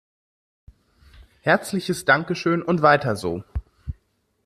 Herzliches Dankeschön und weiter so!